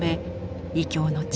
異郷の地